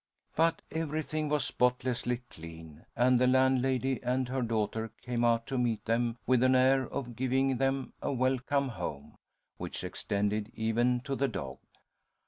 But everything was spotlessly clean, and the landlady and her daughter came out to meet them with an air of giving them a welcome home, which extended even to the dog.